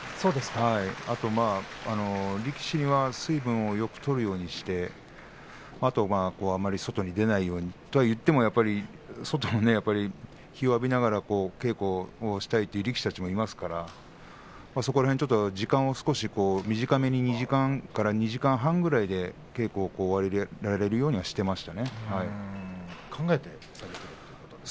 あとは力士には水分をよく取るようにしてあまり外に出ないようにそうは言っても外の日を浴びながら稽古をしたいという力士たちもいますから時間を少し短めに２時間から２時間半ぐらいで稽古をできるようにしています。